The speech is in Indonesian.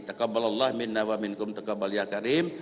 takabal allah minna wa min kum takabal ya karim